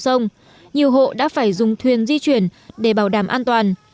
trong sông nhiều hộ đã phải dùng thuyền di chuyển để bảo đảm an toàn